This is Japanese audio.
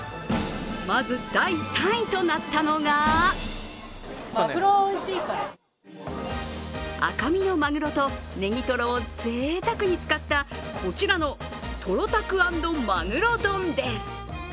まず第３位となったのが赤身のまぐろとねぎとろをぜいたくに使ったこちらのトロタク＆まぐろ丼です。